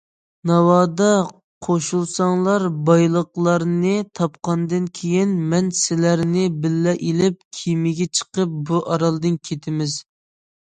ناۋادا قوشۇلساڭلار بايلىقلارنى تاپقاندىن كېيىن مەن سىلەرنى بىللە ئېلىپ كېمىگە چىقىپ بۇ ئارالدىن كېتىمىز.